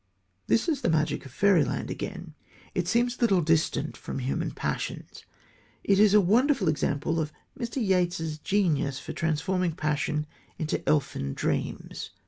This is the magic of fairyland again. It seems a little distant from human passions. It is a wonderful example, however, of Mr. Yeats's genius for transforming passion into elfin dreams.